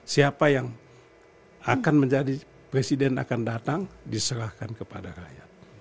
siapa yang akan menjadi presiden akan datang diserahkan kepada rakyat